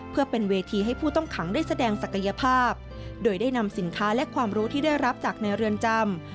เพื่อเป็นเวทีให้ผู้ต้องขังได้แสดงศักยภาพโดยได้นำสินค้าและความรู้ที่ได้รับจากในเรือนจำ